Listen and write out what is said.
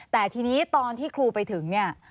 แต่ทีนี้ตอนที่ครูไปถึงเนี่ย